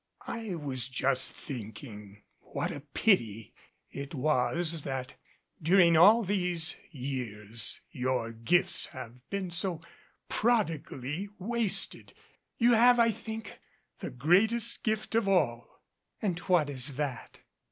"I was just thinking what a pity it was that during all these years your gifts have been so prodigally wasted. You have, I think, the greatest gift of all." "And what is that?"